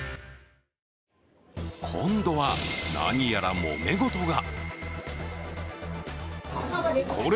今度は何やらもめごとが。